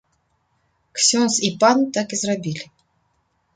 Ксёндз і пан так і зрабілі.